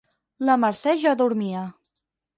La Mercè ja dormia.